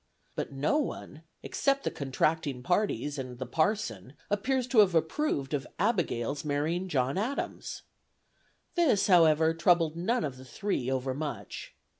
But no one, except the contracting parties and the Parson, seems to have approved of Abigail's marrying John Adams. This, however, troubled none of the three overmuch.